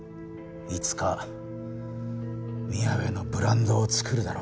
いつかみやべのブランドを作るだろう。